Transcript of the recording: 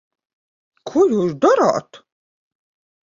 Ko jūs darāt?